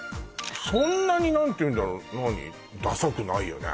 そんなに何ていうんだろう何ダサくないよね